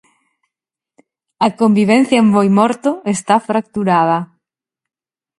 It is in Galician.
A convivencia en Boimorto está fracturada.